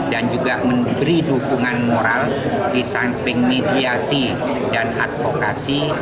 dan juga memberi dukungan moral di samping mediasi dan advokasi